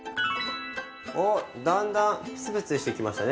おっだんだんプツプツしてきましたね。